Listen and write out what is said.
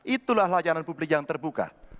itulah layanan publik yang terbuka